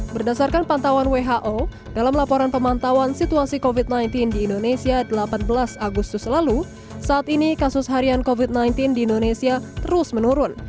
berdasarkan pantauan who dalam laporan pemantauan situasi covid sembilan belas di indonesia delapan belas agustus lalu saat ini kasus harian covid sembilan belas di indonesia terus menurun